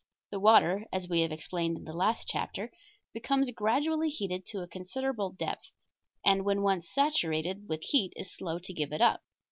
The water, as we have explained in the last chapter, becomes gradually heated to a considerable depth, and when once saturated with heat is slow to give it up.